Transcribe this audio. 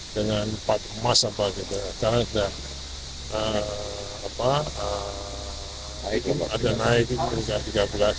dengan empat emas sekarang sudah ada naik hingga tiga belas